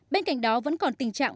bên cạnh đó vẫn còn tình trạng